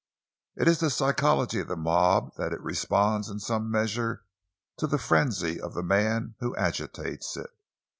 It is the psychology of the mob that it responds in some measure to the frenzy of the man who agitates it.